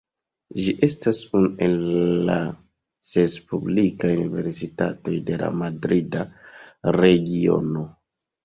Ĝi estas unu el la ses publikaj universitatoj de la Madrida Regiono.